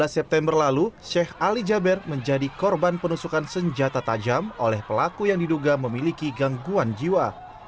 dua belas september lalu sheikh ali jaber menjadi korban penusukan senjata tajam oleh pelaku yang diduga memiliki gangguan jiwa